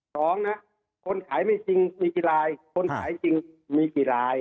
สองนะ